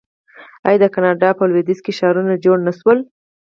آیا د کاناډا په لویدیځ کې ښارونه جوړ نشول؟